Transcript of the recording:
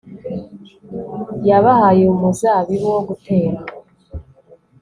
yabahaye umuzabibu wo gutera